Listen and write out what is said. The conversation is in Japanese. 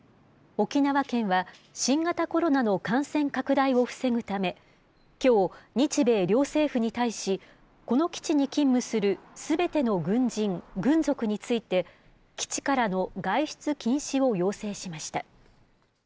沖縄県は、新型コロナの感染拡大を防ぐため、きょう、日米両政府に対し、この基地に勤務するすべての軍人・軍属について、基地からの外出禁止を要請しました。